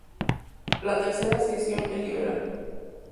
La tercera sección es "¡Liberar!